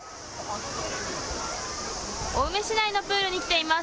青梅市内のプールに来ています。